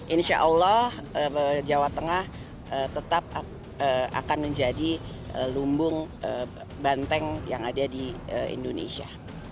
insya allah jawa tengah tetap akan menjadi lumbung banteng yang ada di indonesia